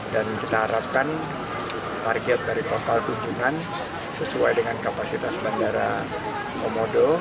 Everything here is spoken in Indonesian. dan kita harapkan target dari total kunjungan sesuai dengan kapasitas bandara komodo